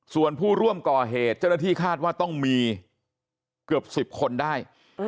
ส่วนผู้ร่วมก่อเหตุเจ้าหน้าที่คาดว่าต้องมีเกือบ๑๐คนได้